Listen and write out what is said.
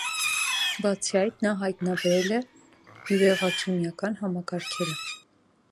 Բացի այդ, նա հայտնաբերել է բյուրեղաքիմիական համակարգերը։